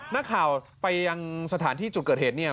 นักข่าวไปยังสถานที่จุดเกิดเหตุเนี่ย